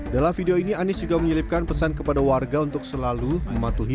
dalam video ini anies juga menyelipkan pesan kepada warga untuk selalu mematuhi